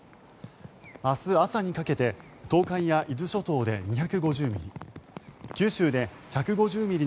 明日朝にかけて東海や伊豆諸島で２５０ミリ